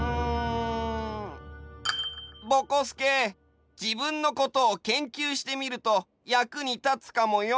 ぼこすけ自分のことを研究してみると役に立つかもよ？